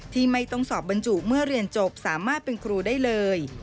ที่ไม่ต้องสอบบรรจุเมื่อเรียนจบสามารถเป็นครูได้เลย